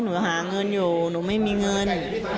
หนูหาเงินอยู่หนูไม่มีเงิน